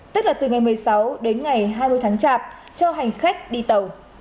tức là từ ngày một mươi sáu đến ngày hai mươi tháng chạp cho hành khách đi tàu